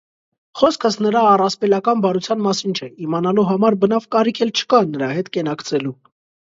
Խոսքս նրա առասպելական բարության մասին չէ, իմանալու համար բնավ կարիք էլ չկա նրա հետ կենակցելու: